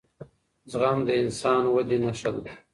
زغم د انساني ودې نښه ده